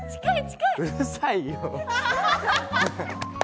うるさいよ。